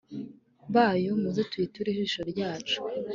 bayo, muze tuyiture ishimo ryacu